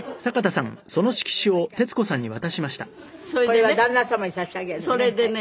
これは旦那様に差し上げるのね。